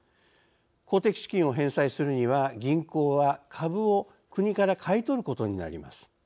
公的資金を返済するには銀行は株を国から買い取ることになります。